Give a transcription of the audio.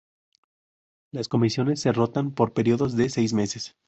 Las comisiones se rotan por periodos de seis meses.